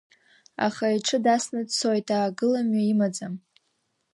Аха иҽы дасны дцоит, аагыламҩа имаӡам!